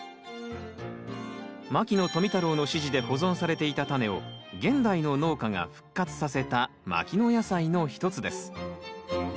牧野富太郎の指示で保存されていたタネを現代の農家が復活させた牧野野菜の一つです。